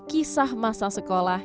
kisah masa sekolah